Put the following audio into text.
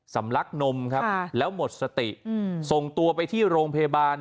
ลักนมครับแล้วหมดสติส่งตัวไปที่โรงพยาบาล